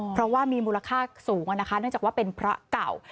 เพราะว่ามีมูลค่าสูงเนื่องจากว่าเป็นพระเก่า